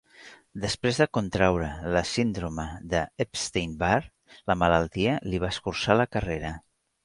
Després de contraure la síndrome de Epstein-Barr, la malaltia li va escurçar la carrera.